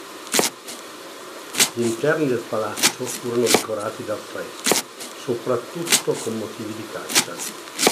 Gli interni del palazzo furono decorati da affreschi, soprattutto con motivi di caccia.